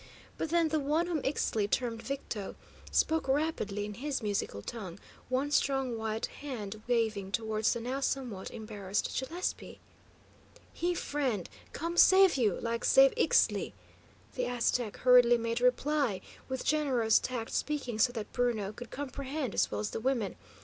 But then the one whom Ixtli termed Victo spoke rapidly in his musical tongue, one strong white hand waving towards the now somewhat embarrassed Gillespie. "He friend; come save you, like save Ixtli," the Aztec hurriedly made reply, with generous tact speaking so that Bruno could comprehend as well as the women.